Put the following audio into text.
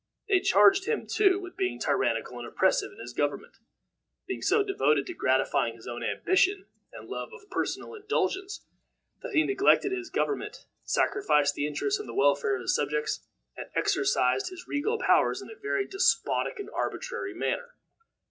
They charged him, too, with being tyrannical and oppressive in his government, being so devoted to gratifying his own ambition and love of personal indulgence that he neglected his government, sacrificed the interests and the welfare of his subjects, and exercised his regal powers in a very despotic and arbitrary manner.